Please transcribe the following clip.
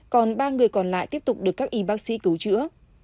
còn ba người còn lại tiếp tục được các y bác sĩ cứu chữa